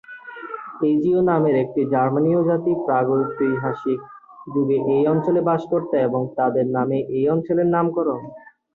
ফ্রিজীয় নামের একটি জার্মানীয় জাতি প্রাগৈতিহাসিক যুগে এই অঞ্চলে বাস করত এবং তাদের নামেই এই অঞ্চলের নামকরণ।